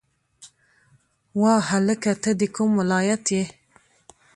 وا هلکه ته د کوم ولایت یی